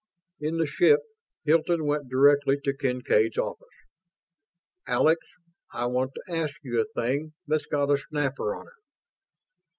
In the ship, Hilton went directly to Kincaid's office. "Alex, I want to ask you a thing that's got a snapper on it."